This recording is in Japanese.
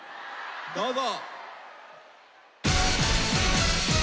どうぞ。